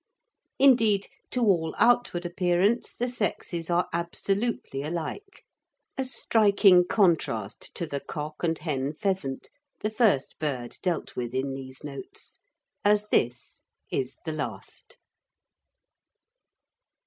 Indeed, to all outward appearance the sexes are absolutely alike, a striking contrast to the cock and hen pheasant, the first bird dealt with in these notes, as this is the last.